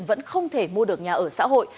vẫn không thể mua được nhà ở xã hội